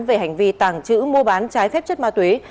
về hành vi tàng trữ mua bán trái phép chất ma túy